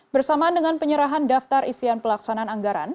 bersamaan dengan penyerahan daftar isian pelaksanaan anggaran